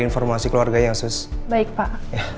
informasi keluarganya sus baik pak